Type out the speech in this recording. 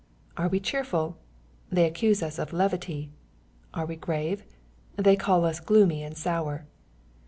— Are we cheerful ? They accuse us of levity. — ^Are we grave ? They call us gloomy and sour.